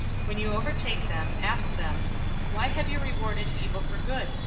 When you overtake them, ask them, 'Why have you rewarded evil for good?